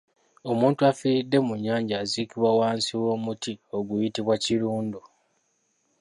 Omuntu afiiridde mu nnyanja aziikibwa wansi w’omuti oguyitibwa Kirundu.